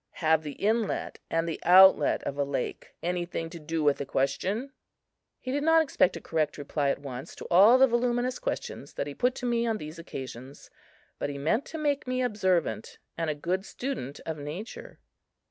Have the inlet and the outlet of a lake anything to do with the question?" He did not expect a correct reply at once to all the voluminous questions that he put to me on these occasions, but he meant to make me observant and a good student of nature.